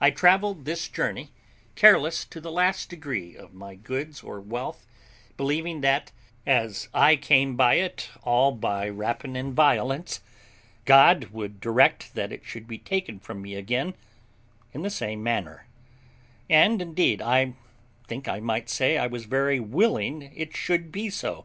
I travelled this journey, careless to the last degree of my goods or wealth, believing that, as I came by it all by rapine and violence, God would direct that it should be taken from me again in the same manner; and, indeed, I think I might say I was very willing it should be so.